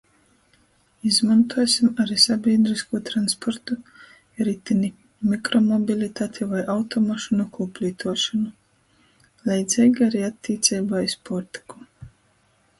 Izmontuosim ari sabīdryskū transportu, ritini, mikromobilitati voi automašynu kūplītuošonu. Leidzeigi ari attīceibā iz puortyku.